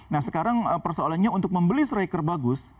nah sekarang persoalannya untuk membeli striker bagus